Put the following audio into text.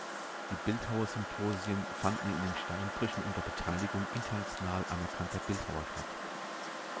Die Bildhauersymposien fanden in den Steinbrüchen unter Beteiligung international anerkannter Bildhauer statt.